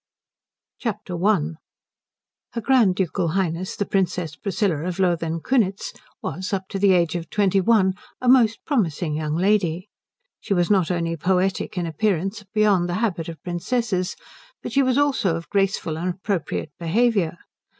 I Her Grand Ducal Highness the Princess Priscilla of Lothen Kunitz was up to the age of twenty one a most promising young lady. She was not only poetic in appearance beyond the habit of princesses but she was also of graceful and appropriate behaviour.